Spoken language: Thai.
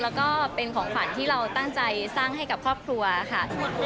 แล้วก็เป็นของขวัญที่เราตั้งใจสร้างให้กับครอบครัวค่ะ